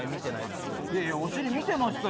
お尻見てましたよ。